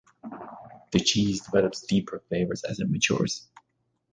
The cheese develops deeper flavours as it matures.